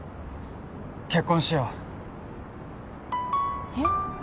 結婚しようえっ！？